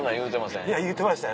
いや言うてましたよ